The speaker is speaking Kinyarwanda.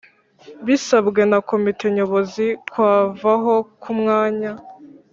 bisabwe na Komite Nyobozi kwavaho kumwanya